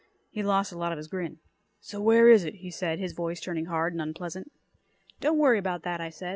He lost a lot of his grin. "So where is it?" he said, his voice turning hard and unpleasant. "Don't worry about that," I said.